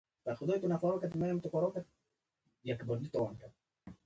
اکبر د مغولو تر ټولو لوی پاچا و.